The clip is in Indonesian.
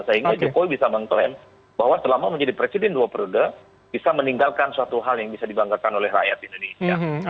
sehingga jokowi bisa mengklaim bahwa selama menjadi presiden dua ribu dua puluh dua bisa meninggalkan suatu hal yang bisa dibanggarkan oleh rakyat indonesia